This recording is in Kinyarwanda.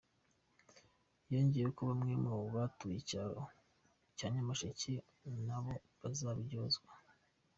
Yongeyeho ko bamwe mu batuye icyaro cya Masheye na bo bazabiryozwa.